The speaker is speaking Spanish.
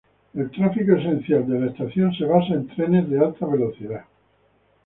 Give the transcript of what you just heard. El esencial del tráfico de la estación se basa en trenes de alta velocidad.